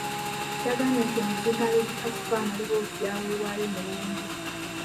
Yagambye nti emizindaalo egikasuka amaloboozi gyaweebwayo Muwonge.